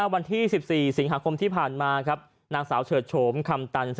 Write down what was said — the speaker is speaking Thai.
วันที่๑๔สิงหาคมที่ผ่านมา